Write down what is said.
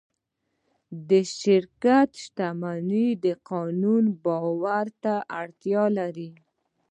د شرکت شتون د قانون باور ته اړتیا لري.